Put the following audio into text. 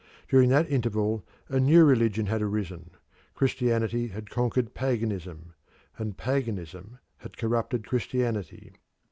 During that interval a new religion had arisen. Christianity had conquered paganism, and paganism had corrupted Christianity.